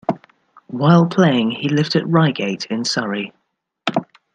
While playing he lived at Reigate in Surrey.